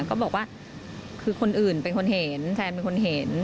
ก็บอกว่าคือคนอื่นเป็นคนเห็นแฟนเป็นคนเห็น